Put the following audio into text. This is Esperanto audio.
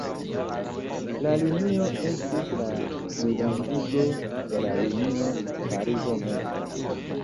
La linio estis la plilongigo de la linio Parizo–Meco.